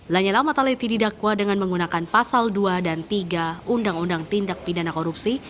lanyelama taleti didakwa dengan menggunakan pasal dua dan tiga undang undang tindak pindana korupsi